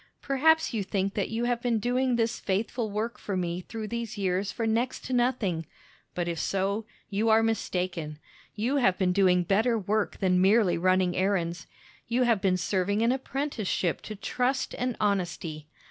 Perhaps you think that you have been doing this faithful work for me through these years for next to nothing; but if so, you are mistaken. You have been doing better work than merely running errands. You have been serving an apprenticeship to trust and honesty.